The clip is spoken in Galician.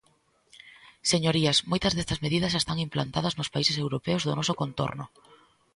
Señorías, moitas destas medidas xa están implantadas nos países europeos do noso contorno.